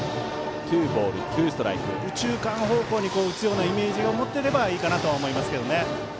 右中間方向に打つようなイメージを持っていればいいかなとは思いますけどね。